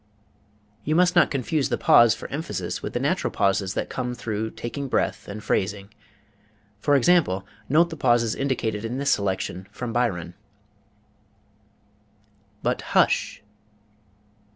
You must not confuse the pause for emphasis with the natural pauses that come through taking breath and phrasing. For example, note the pauses indicated in this selection from Byron: But _hush!